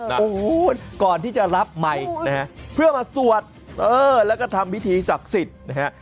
โอ้โหก่อนที่จะรับไมค์นะฮะเพื่อมาสวดเออแล้วก็ทำพิธีศักดิ์สิทธิ์นะฮะ